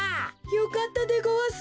よかったでごわす。